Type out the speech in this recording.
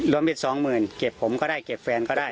สองหมื่นเก็บผมก็ได้เก็บแฟนก็ได้